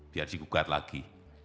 biar digugat lagi